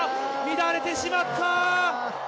乱れてしまった。